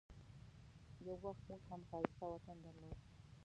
یو وخت موږ هم ښایسته وطن درلود.